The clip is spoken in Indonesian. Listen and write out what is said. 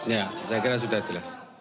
ya saya kira sudah jelas